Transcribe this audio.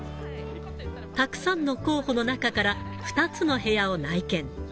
たくさんの候補の中から２つの部屋を内見。